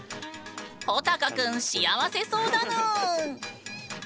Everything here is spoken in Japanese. ほたかくん幸せそうだぬん！